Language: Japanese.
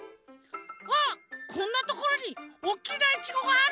あっこんなところにおっきなイチゴがある！